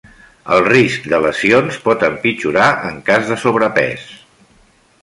El risc de lesions pot empitjorar en cas de sobrepès.